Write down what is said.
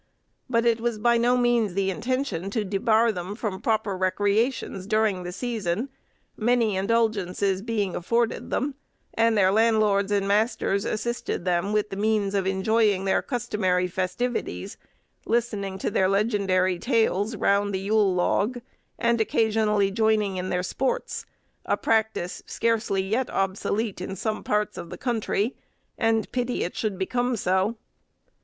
But it was by no means the intention to debar them from proper recreations during this season; many indulgences being afforded them, and their landlords and masters assisted them with the means of enjoying their customary festivities, listening to their legendary tales round the Yule log, and occasionally joining in their sports; a practice scarcely yet obsolete in some parts of the country, and pity it should become so.